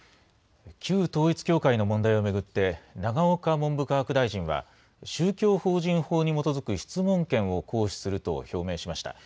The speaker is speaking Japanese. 旧統一教会の問題を巡って永岡文部科学大臣は、宗教法人法に基づく質問権を行使すると表明しました。